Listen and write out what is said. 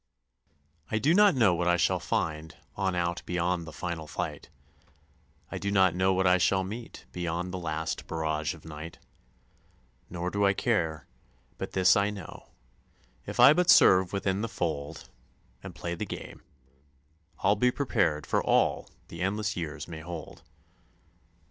I do not know what I shall find on out beyond the final fight; I do not know what I shall meet beyond the last barrage of night; Nor do I care but this I know if I but serve within the fold And play the game I'll be prepared for all the endless years may hold.